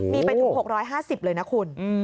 มีไปถึง๖๕๐เลยนะคุณ